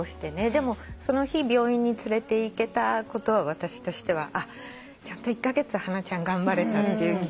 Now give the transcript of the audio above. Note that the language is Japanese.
でもその日病院に連れていけたことは私としてはちゃんと１カ月ハナちゃん頑張れたって気持ちで。